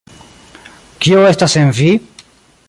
Kio estas en vi?